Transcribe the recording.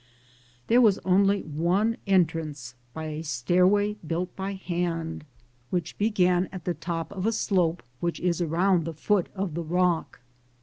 There was only one entrance by a stairway built by hand, which began at the top of a slope which is around the foot of the rock.